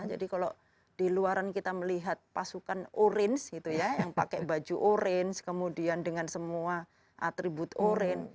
jadi kalau di luaran kita melihat pasukan orang gitu ya yang pakai baju orang kemudian dengan semua atribut orang